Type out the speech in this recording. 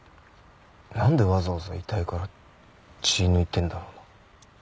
なんでわざわざ遺体から血抜いてるんだろうな。